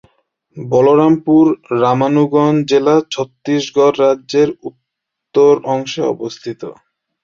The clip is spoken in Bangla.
বলরামপুর-রামানুজগঞ্জ জেলা ছত্তিসগড় রাজ্যের উত্তর অংশে অবস্থিত।